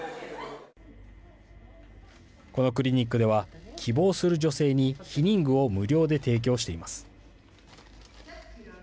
このクリニックでは希望する女性に避妊具を無料で提供しています。